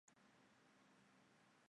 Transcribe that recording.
官至陕西布政使参议。